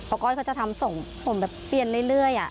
เพราะก้อยเขาจะทำส่งผมแบบเปลี่ยนเรื่อย